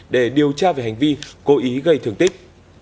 để điều tra về hành vi cố ý gây thương tích